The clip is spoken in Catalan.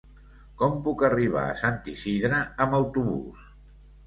Com puc arribar a Sant Isidre amb autobús?